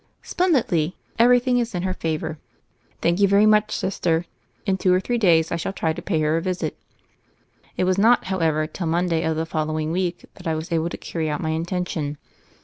"Splendidly. Everything is in her favor." "Thank you very much, Sister. In two or three days I shall try to pay her a visit." It was not, however, till Monday of the fol lowing week that I was able to carry out my intention.